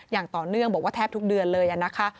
อย่างต่อเนื่องบอกว่าแทบทุกเดือนเลยนะคะ